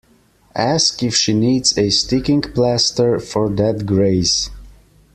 Ask if she needs a sticking plaster for that graze.